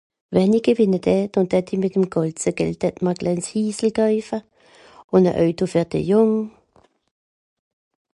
Wenn i gewìnne dätt, noh dätt i mìt'm gànze Geld dätt mr e klèns Hisel koeife, Ùn e oei do fer de Jùng.